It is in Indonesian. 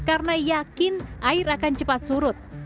karena yakin air akan cepat surut